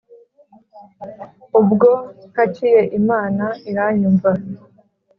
ubwo ntakiye imana iranyumva